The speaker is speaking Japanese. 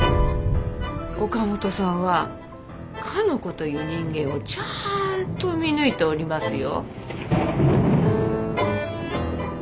岡本さんはかの子という人間をちゃんと見抜いておりますよ。